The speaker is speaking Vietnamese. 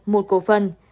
một cổ phần